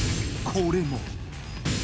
これも！